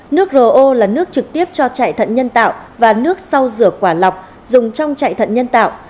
nước rồ ô là nước trực tiếp cho chạy thẫn nhân tạo và nước sau rửa quả lọc dùng trong chạy thẫn nhân tạo